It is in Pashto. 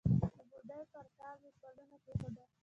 د بوډۍ پر ټال مې پلونه کښېښول